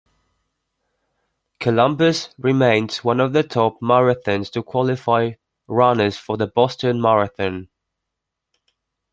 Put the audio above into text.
Columbus remains one of the top marathons to qualify runners for the Boston Marathon.